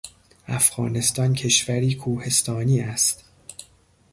افغانستان کشوری کوهستانی است.